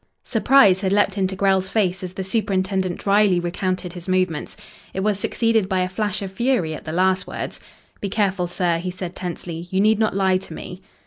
Surprise had leapt into Grell's face as the superintendent drily recounted his movements. It was succeeded by a flash of fury at the last words. "Be careful, sir," he said tensely. "You need not lie to me."